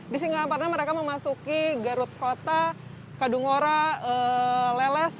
di singapura mereka memasuki garut kota kadungora leles